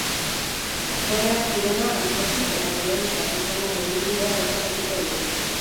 Aktoreak zinema, antzerki eta telebistan izandako ibilbidea errepasatuko du.